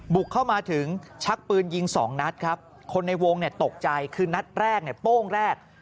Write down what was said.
บุกเข้ามาถึงชักปืนยิง๒นัทครับคนในวงตกใจคือนัทแรกโป้งแรก